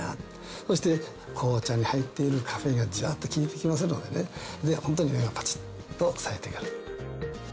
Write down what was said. そして紅茶に入っているカフェインがじわっと効いて来ますのでホントに目がパチっとさえて来る。